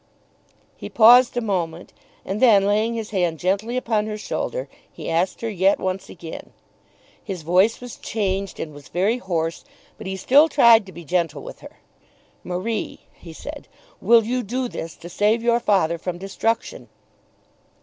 He paused a moment, and then laying his hand gently upon her shoulder, he asked her yet once again. His voice was changed, and was very hoarse. But he still tried to be gentle with her. "Marie," he said, "will you do this to save your father from destruction?"